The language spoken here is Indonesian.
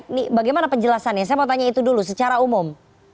ini bagaimana penjelasannya saya mau tanya itu dulu secara umum